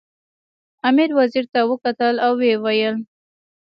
امیر وزیر ته وکتل او ویې ویل.